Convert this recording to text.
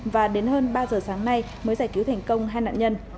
và đến hơn ba giờ sáng nay mới giải cứu thành công hai nạn nhân